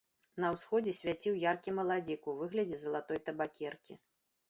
На ўсходзе свяціў яркі маладзік у выглядзе залатой табакеркі.